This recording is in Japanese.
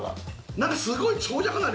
何かすごい。